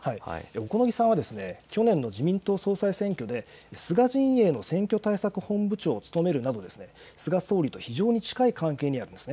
小此木さんは去年の自民党総裁選挙で菅陣営の選挙対策本部長を務めるなど菅総理と非常に近い関係にありました。